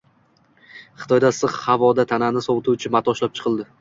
Xitoyda issiq havoda tanani sovituvchi mato ishlab chiqildi